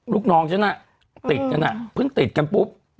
ลูกน้องฉันติดกันเพิ่งติดกันปุ๊บ